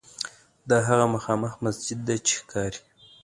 دا هغه مخامخ مسجد دی چې ښکاري.